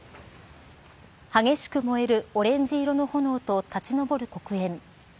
激しく燃えるオレンジ色の炎と立ち上る黒煙。